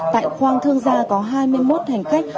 tại khoang thương gia có hai mươi một hành khách